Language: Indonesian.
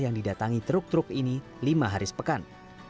yang didatangi truk truk ini lima hari sepekan